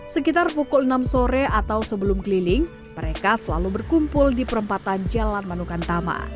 sekitar pukul enam sore atau sebelum keliling mereka selalu berkumpul di perempatan jalan manukantama